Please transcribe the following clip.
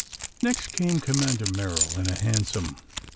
Next came Commander Merrill in a hansom.